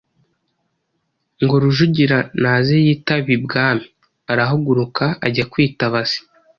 ngo Rujugira naze yitabe ibwami. Arahaguruka ajya kwitaba se.